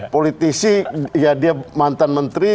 politisi ya dia mantan menteri